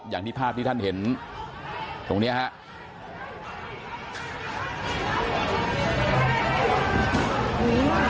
อย่างที่ภาพที่ท่านเห็นตรงนี้ครับ